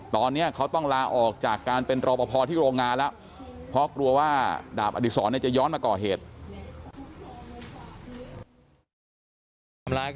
ตอนนี้เขาต้องลาออกจากการเป็นราปภพที่โรงงานล่ะ